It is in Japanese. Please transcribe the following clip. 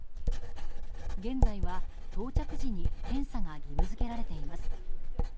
現在は到着時に検査が義務付けられています。